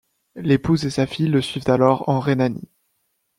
L'épouse et sa fille le suivent alors en Rhénanie.